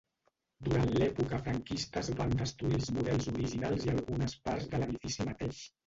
Durant l'època franquista es van destruir els models originals i algunes parts de l'edifici mateix.